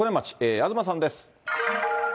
東さんです。